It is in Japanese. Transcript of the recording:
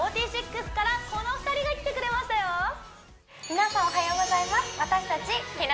皆さんおはようございます私達日向